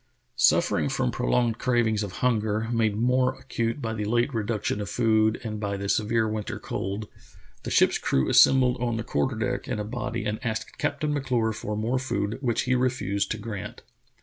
Suf 84 True Tales of Arctic Heroism fering from prolonged cravings of hunger, made more acute by the late reduction of food and by the severe winter cold, the ship's crew assembled on the quarter deck in a body and asked Captain M'Clure for more food, which he refused to grant.